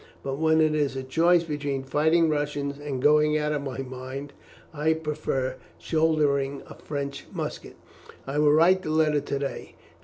But when it is a choice between fighting Russians and going out of my mind, I prefer shouldering a French musket. I will write the letter to day.